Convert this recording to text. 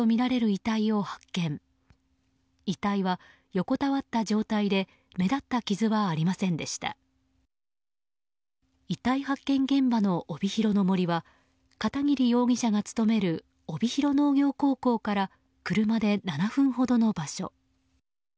遺体発見現場の帯広の森は片桐容疑者が勤める帯広農業高校から車で７分ほどの場所。